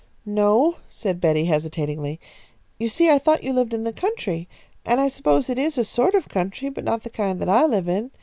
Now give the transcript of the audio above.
"No," said Betty, hesitatingly. "You see I thought you lived in the country, and I suppose it is a sort of country, but not the kind that I live in.